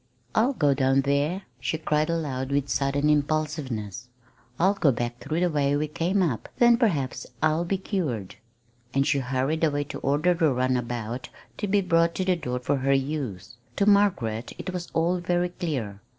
"I'll go down there," she cried aloud with sudden impulsiveness. "I'll go back through the way we came up; then perhaps I'll be cured." And she hurried away to order the runabout to be brought to the door for her use. To Margaret it was all very clear.